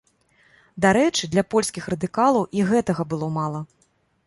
Дарэчы, для польскіх радыкалаў і гэтага было мала.